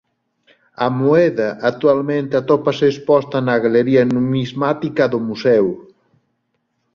A moeda actualmente atópase exposta na Galería Numismática do museo.